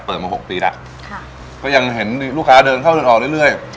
มาหกปีแล้วก็ยังเห็นลูกค้าเดินเข้าเดินออกเรื่อย